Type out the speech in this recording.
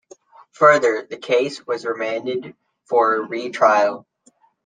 Further, the case was remanded for a re-trial.